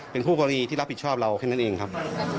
เป็นคู่กรณีที่รับผิดชอบเราแค่นั้นเองครับ